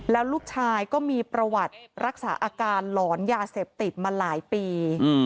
แล้วลูกชายก็มีประวัติรักษาอาการหลอนยาเสพติดมาหลายปี